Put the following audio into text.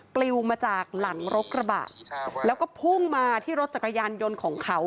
ปลิวมาจากหลังรถกระบะแล้วก็พุ่งมาที่รถจักรยานยนต์ของเขา